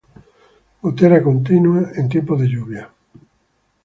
Gotera continua en tiempo de lluvia, Y la mujer rencillosa, son semejantes: